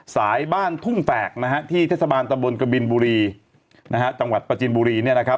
สายบ้านทุ่งแตกที่เทศบาลตะบลกบิลบุรีจังหวัดประจินบุรี